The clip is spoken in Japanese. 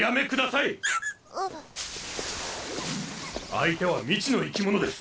相手は未知の生き物です。